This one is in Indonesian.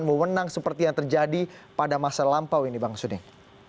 mewenang seperti yang terjadi pada masa lampau ini bang suding